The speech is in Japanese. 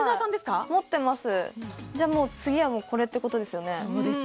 じゃあもう次はこれってことですよね